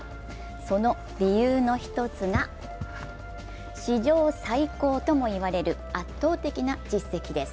その理由の１つが史上最高ともいわれる圧倒的な実績です。